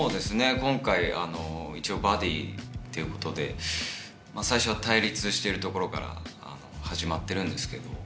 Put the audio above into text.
今回一応バディっていうことで最初は対立しているところから始まってるんですけど。